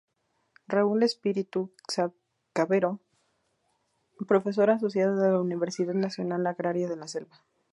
Raúl Espíritu Cavero, Profesor Asociado de la Universidad Nacional Agraria de la Selva.